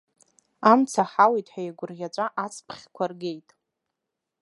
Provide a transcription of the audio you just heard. Амца ҳауит ҳәа еигәырӷьаҵәа ацԥхьқәа ргеит.